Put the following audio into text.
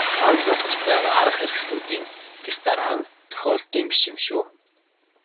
Санал болгож байгаа арга хэрэгслүүдийн дэс дараа нь тохиолдлын биш юм шүү.